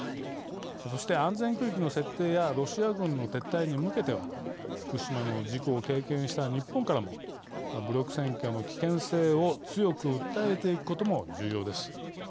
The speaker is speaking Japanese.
そして、安全区域の設定やロシア軍の撤退に向けては福島の事故を経験した日本からも武力占拠の危険性を強く訴えていくことも重要です。